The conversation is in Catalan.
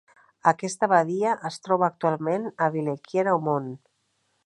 Aquesta abadia es troba actualment a Villequier-Aumont.